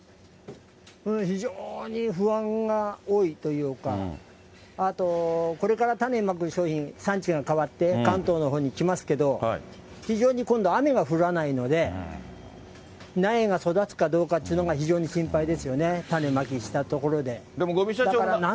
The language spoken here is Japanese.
非常に不安が多いというか、あとこれから種まく商品、産地が変わって関東のほうに来ますけど、非常に今度、雨が降らないので、苗が育つかどうかというのが非常に心配ですよね、種まきしたところで。